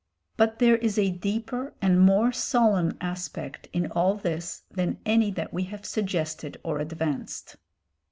But there is a deeper and more solemn aspect in all this than any that we have suggested or advanced.